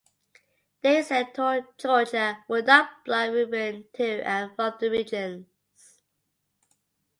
They said Georgia would not block movement to and from the regions.